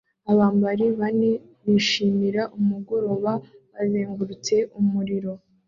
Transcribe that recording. Abambari bane bishimira umugoroba bazengurutse umuriro